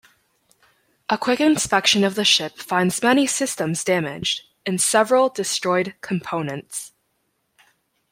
A quick inspection of the ship finds many systems damaged and several destroyed components.